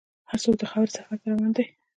هر څوک د خاورې سفر ته روان دی.